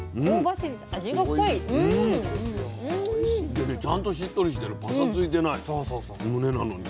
でねちゃんとしっとりしてる。パサついてないむねなのに。